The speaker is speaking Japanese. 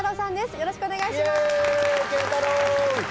よろしくお願いします。